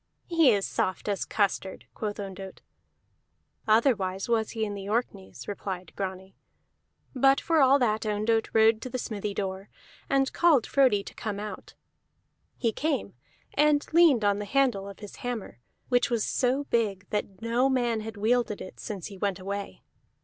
"He is soft as custard," quoth Ondott. "Otherwise was he in the Orkneys," replied Grani. But for all that Ondott rode to the smithy door, and called Frodi to come out. He came, and leaned on the handle of his hammer, which was so big that no man had wielded it since he went away.